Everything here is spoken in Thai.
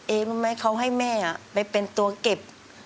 รู้ไหมเขาให้แม่ไปเป็นตัวเก็บ